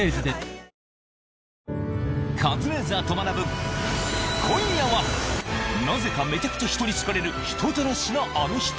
『カズレーザーと学ぶ。』今夜はなぜかめちゃくちゃ人に好かれる人たらしなあの人